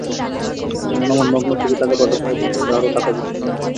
যেমন আমার নগ্ন ছবি তাকে পাঠাতে হবে, কিংবা আরও টাকা দিতে হবে।